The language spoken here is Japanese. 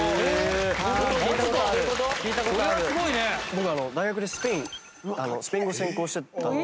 僕大学でスペインスペイン語専攻してたので。